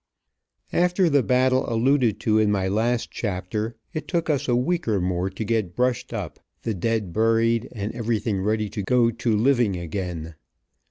After the battle alluded to in my last chapter, it took us a week or more to get brushed up, the dead buried, and everything ready to go to living again.